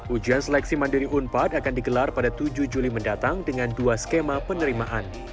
ujian seleksi mandiri unpad akan digelar pada tujuh juli mendatang dengan dua skema penerimaan